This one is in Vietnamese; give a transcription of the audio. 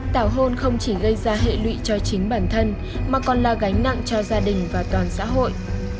tảo hôn không chỉ gây ra hệ lụy cho chính bản thân mà còn là gánh nặng cho gia đình và toàn xã hội